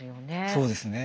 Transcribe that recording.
そうですね。